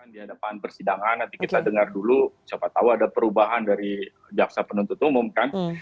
di hadapan persidangan nanti kita dengar dulu siapa tahu ada perubahan dari jaksa penuntut umum kan